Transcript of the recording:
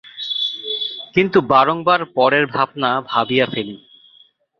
কিন্তু বারংবার পরের ভাবনা ভাবিয়া ফেলি।